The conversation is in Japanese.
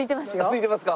すいてますか！